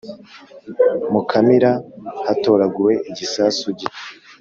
mukamira hatoraguwe igisasu gito